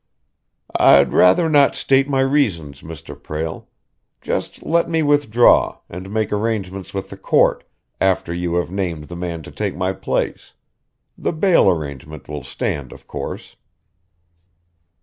"I'd rather not state my reasons, Mr. Prale. Just let me withdraw, and make arrangements with the court, after you have named the man to take my place. The bail arrangement will stand, of course."